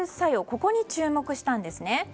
ここに注目したんですね。